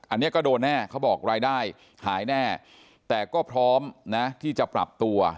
อันนี้ก็โดนแน่เขาบอกรายได้หายแน่แต่ก็พร้อมนะที่จะปรับตัว